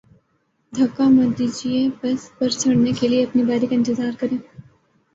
دھکا م دیجئے، بس پر چڑھنے کے لئے اپنی باری کا انتظار کریں